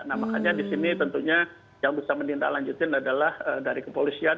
nah makanya di sini tentunya yang bisa menindaklanjutin adalah dari kepolisian